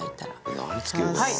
はい。